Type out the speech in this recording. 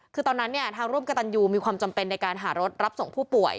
คือตอนนั้นเนี่ยทางร่วมกับตันยูมีความจำเป็นในการหารถรับส่งผู้ป่วย